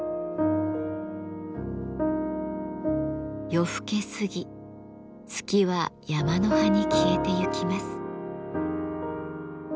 夜更け過ぎ月は山の端に消えてゆきます。